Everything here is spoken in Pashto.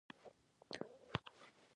د نجونو تعلیم د خوړو د خوندیتوب لامل کیږي.